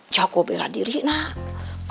coko bela diri nak